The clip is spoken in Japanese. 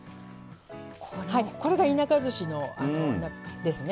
これが田舎ずしですね。